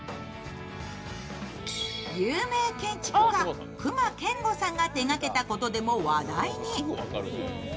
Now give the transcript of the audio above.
有名建築家、隈研吾さんが手掛けたことでも話題に。